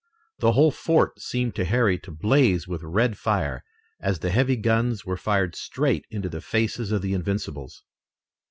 The whole fort seemed to Harry to blaze with red fire, as the heavy guns were fired straight into the faces of the Invincibles.